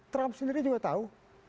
trump sendiri juga tahu